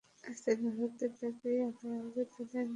স্থানীয় লোকদের দাবি, আরও আগে তাঁদের নামতে দিলে তাঁরা সফল হতেন।